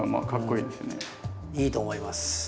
いいと思います。